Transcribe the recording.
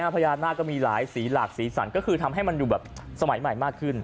พญานาคก็มีหลายสีหลากสีสันก็คือทำให้มันดูแบบสมัยใหม่มากขึ้น